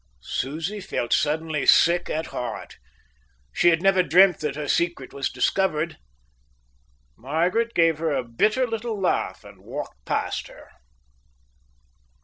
Susie felt suddenly sick at heart. She had never dreamt that her secret was discovered. Margaret gave a bitter little laugh and walked past her.